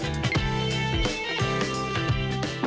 ครับ